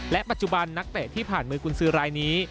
ปัจจุบันนักเตะที่ผ่านมือกุญสือรายนี้